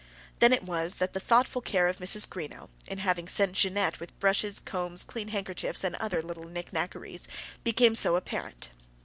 Then it was that the thoughtful care of Mrs. Greenow, in having sent Jeannette with brushes, combs, clean handkerchiefs, and other little knick knackeries, became so apparent.